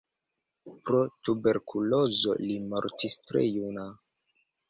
Pro tuberkulozo li mortis tre juna.